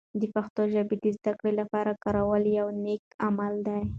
د پښتو ژبه د زده کړې لپاره کارول یوه نیک عمل دی.